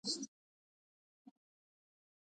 ځنې امريکني فلمونه د فلمي تاريخ برخه ده